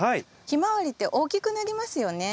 ヒマワリって大きくなりますよね。